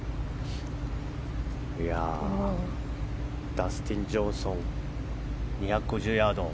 ダスティン・ジョンソン２５０ヤード。